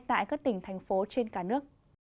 tại các tỉnh thành phố trên cả nước